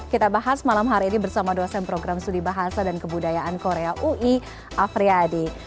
kita bahas malam hari ini bersama dosen program studi bahasa dan kebudayaan korea ui afriyadi